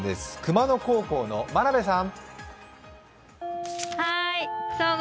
熊野高校の真鍋さん。